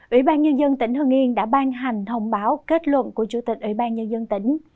ủy ban nhân dân tỉnh hưng yên đã ban hành thông báo kết luận của chủ tịch ủy ban nhân dân tỉnh